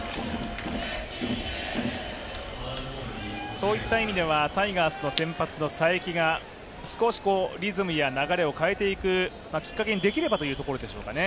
そういった意味では、タイガースの先発の才木が少しリズムや流れを変えていくきっかけにできればということでしょうかね。